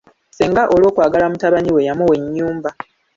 Ssenga olw'okwagala mutabani we yamuwa ennyumba.